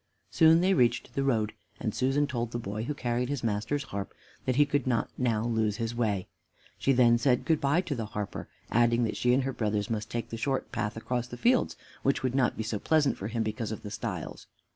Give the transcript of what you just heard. Soon they reached the road, and Susan told the boy who carried his master's harp that he could not now lose his way. She then said good by to the harper, adding that she and her brothers must take the short path across the fields, which would not be so pleasant for him because of the stiles.